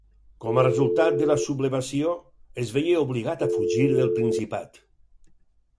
Com a resultat de la sublevació, es veié obligat a fugir del Principat.